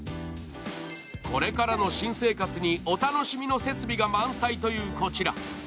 これからの新生活にお楽しみの設備が満載というこちら。